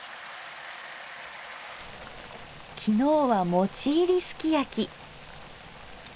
昨日は「餅入りすきやき」。